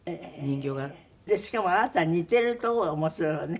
しかもあなたに似てるとこが面白いわね。